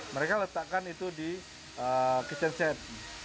mereka letakkan itu di kitchen set